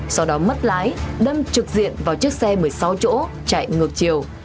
sau đó mất lái đâm trực diện vào chiếc xe một mươi sáu chỗ chạy ngược chiều